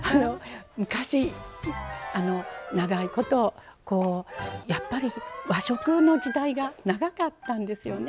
昔長いことこうやっぱり和食の時代が長かったんですよね。